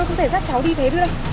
em không thể dắt cháu đi thế đưa